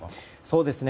そうですね。